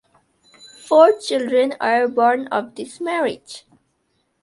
Four children were born of this marriage.